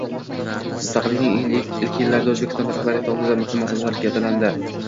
Mustaqillikning ilk yillarida O‘zbekiston rahbariyati oldida muhim masala gavdalandi